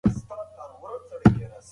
د مالیې تېښته جرم دی.